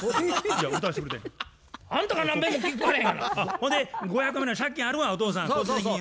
ほんで５００万の借金あるわお父さん個人的に。